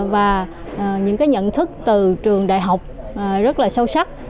và những nhận thức từ trường đại học rất là sâu sắc